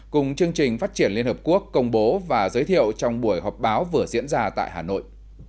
cùng chương trình phát triển liên hợp quốc công bố và giới thiệu trong buổi họp báo vừa diễn ra tại hà nội